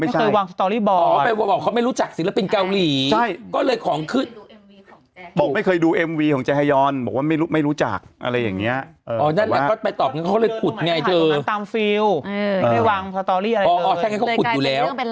ตามฟีลไม่วางสตอรี่อะไรเลยอ๋อใช่เขาขุดอยู่แล้ว